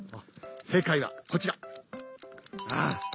正解はこちら。